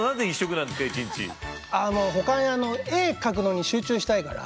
あの絵描くのに集中したいから。